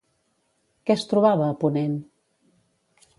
Què es trobava a ponent?